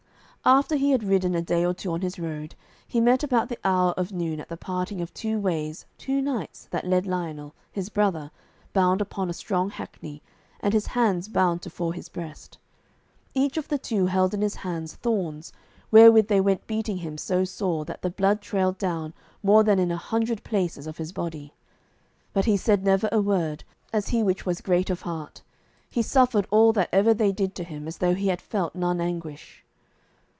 After he had ridden a day or two on his road, he met about the hour of noon at the parting of two ways two knights, that led Lionel, his brother, bound upon a strong hackney and his hands bound tofore his breast. Each of the two held in his hands thorns, wherewith they went beating him so sore that the blood trailed down more than in a hundred places of his body. But he said never a word, as he which was great of heart; he suffered all that ever they did to him as though he had felt none anguish.